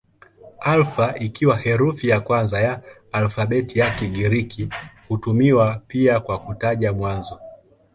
Alfa ikiwa herufi ya kwanza ya alfabeti ya Kigiriki hutumiwa pia kwa kutaja mwanzo.